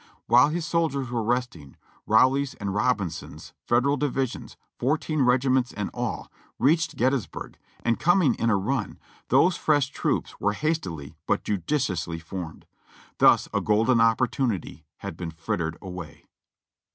While his soldiers w^ere resting. Rowley's and Rob inson's (Federal) divisions, fourteen regiments in all, reached Gettysburg, and coming in a run, those fresh troops were hastily but judiciously formed. Thus a golden opportunity had been frittered away.